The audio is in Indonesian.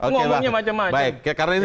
ngomongnya macam macam oke baik karena ini